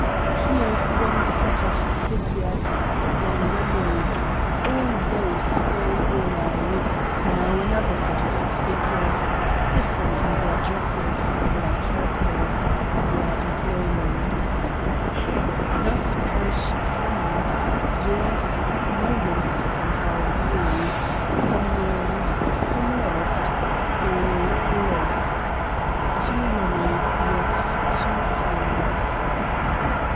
here one Set of Figures, then a Remove : all those go away, now another Set of Figures, different in their Dresses, their Characters, their Employments Thus perish Friends, Years, Moments from our view, Some mourned, some loved, all lost; too many, yet too Few.